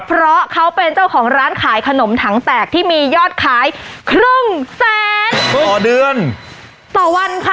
เพราะเขาเป็นเจ้าของร้านขายขนมถังแตกที่มียอดขายครึ่งแสนต่อเดือนต่อวันค่ะ